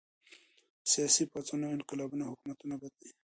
سياسي پاڅونونه او انقلابونه حکومتونه بدلوي.